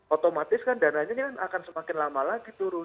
otomatis kan dananya akan semakin lama lagi turun